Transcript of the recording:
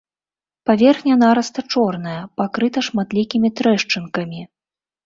Паверхня нараста чорная, пакрыта шматлікімі трэшчынкамі.